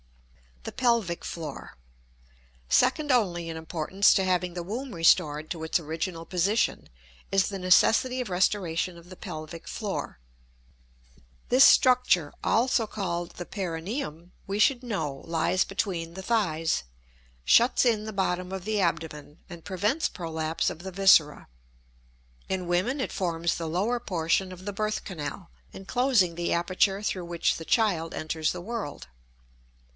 The Pelvic Floor. Second only in importance to having the womb restored to its original position is the necessity of restoration of the pelvic floor. This structure, also called the perineum, we should know, lies between the thighs, shuts in the bottom of the abdomen, and prevents prolapse of the viscera. In women it forms the lower portion of the birth canal, enclosing the aperture through which the child enters the world.